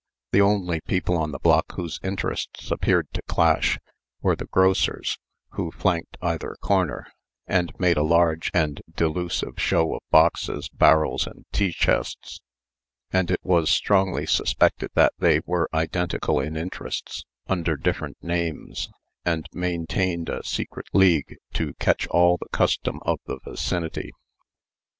The only people on the block whose interests appeared to clash, were the grocers, who flanked either corner, and made a large and delusive show of boxes, barrels, and tea chests; and it was strongly suspected that they were identical in interests, under different names, and maintained a secret league to catch all the custom of the vicinity.